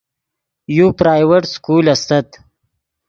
یو پرائیویٹ سکول استت